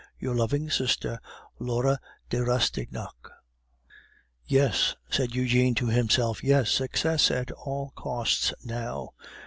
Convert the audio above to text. Your loving sister, "LAURE DE RASTIGNAC." "Yes!" said Eugene to himself. "Yes! Success at all costs now!